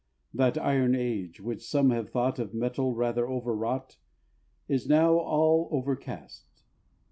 That iron age which some have thought Of metal rather overwrought Is now all overcast!